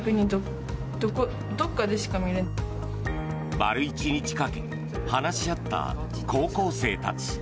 丸１日かけ話し合った高校生たち。